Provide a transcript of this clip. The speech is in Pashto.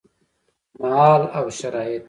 مهال او شرايط: